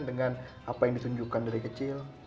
dengan apa yang ditunjukkan dari kecil